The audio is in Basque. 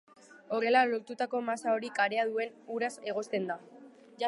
Horrela lortutako masa hori karea duen uraz egozten da.